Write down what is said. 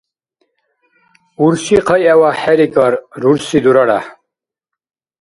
Урши хъайгӀивяхӀ хӀерикӀар, рурси — дураряхӀ.